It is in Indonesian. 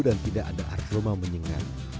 dan tidak ada aroma menyenangkan